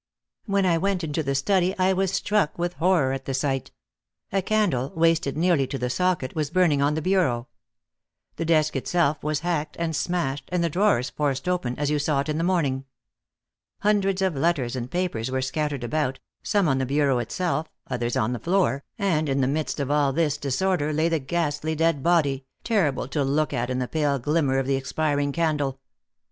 When I went into the study I was struck with horror at the sight. A candle, wasted nearly to the socket, was burning on the bureau. The desk itself was hacked and smashed, and the drawers forced open, as you saw it in the morning. Hundreds of letters and papers were scattered about, some on the bureau itself, others on the floor, and in the midst of all this disorder lay the ghastly dead body, terrible to look at in the pale glimmer of the expiring candle.